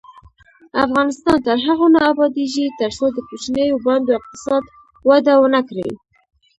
افغانستان تر هغو نه ابادیږي، ترڅو د کوچنیو بانډو اقتصاد وده ونه کړي.